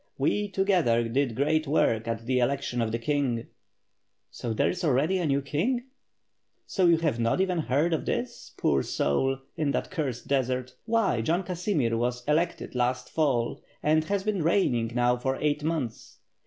We together did great work at the election of the king." "So there is already a new King?" "So you have not even heard of this, poor soul, in that cursed desert?" Why John Casimir was elected last Fall and has been reigning now for eight months.